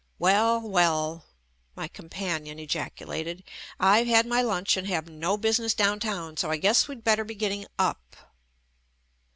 "Well, well," my companion ejacu lated, "I've had my lunch and have no business downtown, so I guess we'd better be getting up."